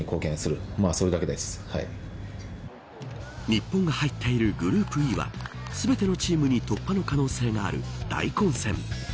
日本が入っているグループＥは全てのチームに突破の可能性がある大混戦。